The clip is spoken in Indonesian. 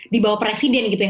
di bawah presiden gitu ya